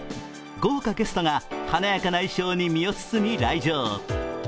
豪華ゲストが華やかな衣装に身を包み、来場。